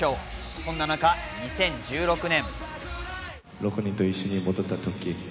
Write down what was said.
そんな中、２０１６年。